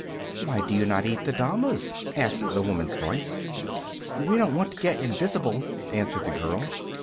"Why do you not eat the damas?" asked the woman's voice. "We don't want to get invis'ble," answered the girl.